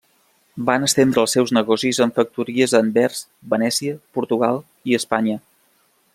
Van estendre els seus negocis amb factories a Anvers, Venècia, Portugal i Espanya.